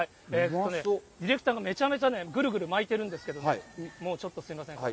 ディレクターがめちゃくちゃぐるぐる巻いてるんですけどね、もうちょっとすみません。